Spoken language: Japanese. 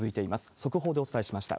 速報でお伝えしました。